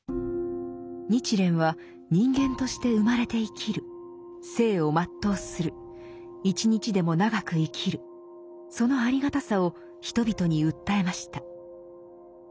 日蓮は人間として生まれて生きる生を全うする一日でも長く生きるそのありがたさを人々に訴えました。